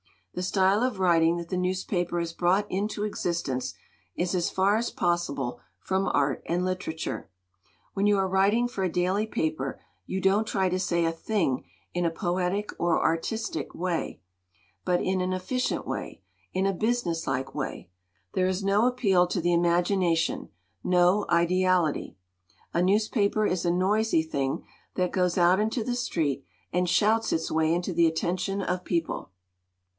The style of writing that the news paper has brought into existence is as far as possible from art and literature. When you are writing for a daily paper, you don't try to say a thing in a poetic or artistic way, but in an efficient way, in a business like way. There is no appeal to the imagination, no ideality. A newspaper is a noisy thing that goes out into the street and shouts its way into the attention of people.